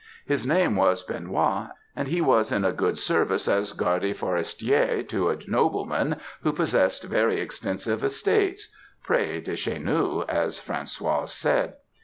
His name was Benoît, and he was in a good service as garde forestier to a nobleman who possessed very extensive estates, près de chez nous, as Françoise said.